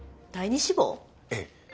ええ。